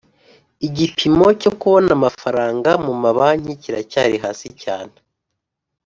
Igipimo cyo kubona amafaranga mu mabanki kiracyari hasi cyane